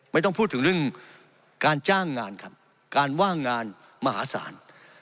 ไม่ต้องพูดถึงเรื่องการจ้างงานครับการว่างงานมหาศาล